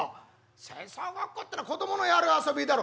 「戦争ごっこってのは子供のやる遊びだろ」。